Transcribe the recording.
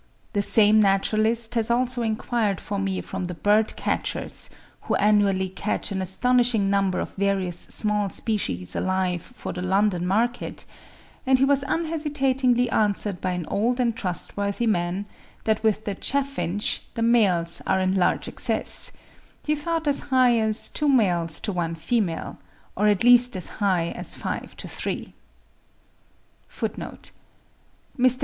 This same naturalist has also enquired for me from the birdcatchers, who annually catch an astonishing number of various small species alive for the London market, and he was unhesitatingly answered by an old and trustworthy man, that with the chaffinch the males are in large excess: he thought as high as 2 males to 1 female, or at least as high as 5 to 3. (65. Mr.